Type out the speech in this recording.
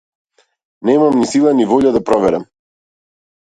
Немам ни сила ни волја да проверам.